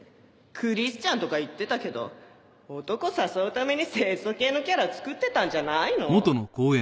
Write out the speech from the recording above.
クリスチャンとか言ってたけど男誘うために清楚系のキャラ作ってたんじゃないの？